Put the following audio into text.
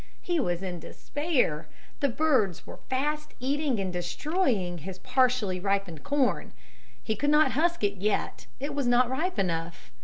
He was in despair. The birds were fast eating and destroying his partially ripened corn. He could not husk it yet. It was not ripe enough.